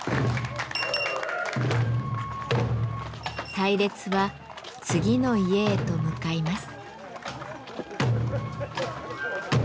隊列は次の家へと向かいます。